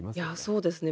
そうですね。